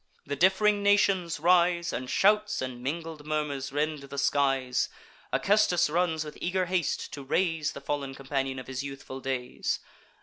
The diff'ring nations rise, And shouts and mingled murmurs rend the skies, Acestus runs with eager haste, to raise The fall'n companion of his youthful days.